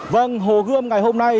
vâng hồ gươm ngày hôm nay